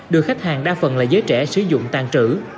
được khách hàng đa phần là giới trẻ sử dụng tàn trữ